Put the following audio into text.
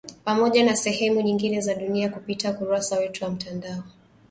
Pamoja na sehemu nyingine za dunia kupitia ukurasa wetu wa mtandao